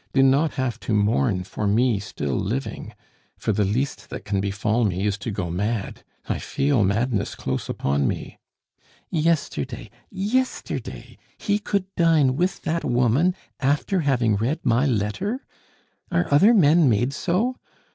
Do not have to mourn for me still living, for the least that can befall me is to go mad. I feel madness close upon me! "Yesterday, yesterday, he could dine with that woman, after having read my letter? Are other men made so?